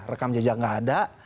rekam jejak nggak ada